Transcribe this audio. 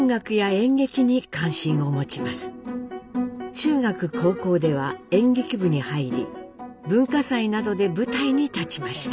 中学高校では演劇部に入り文化祭などで舞台に立ちました。